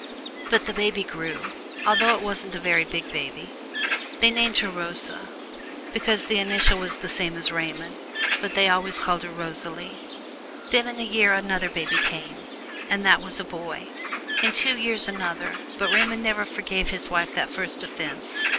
But the baby grew, although it wasn't a very big baby. They named her Rosa, because the initial was the same as Raymond, but they always called her Rosalie. Then in a year another baby came, and that was a boy. In two years another, but Raymond never forgave his wife that first offense.